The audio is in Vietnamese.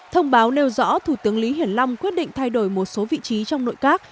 thông báo nêu rõ thủ tướng lý hiển long quyết định thay đổi một số vị trí trong nội các